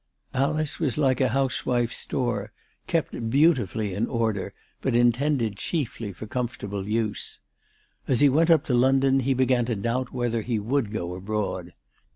Alice was like a house 392 ALICE DUGDALE. wife's store, kept beautifully in order, but intended chiefly for comfortable use. As he went up to London he began to doubt whether he would go abroad.